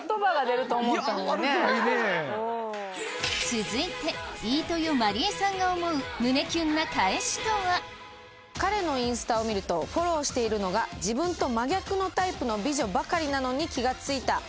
続いて飯豊まりえさんが思う彼のインスタを見るとフォローしているのが自分と真逆のタイプの美女ばかりなのに気が付いた。